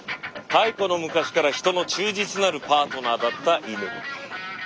太古の昔からヒトの忠実なるパートナーだったイヌ。